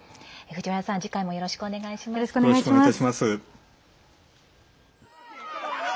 藤原さん、次回もよろしくお願いします。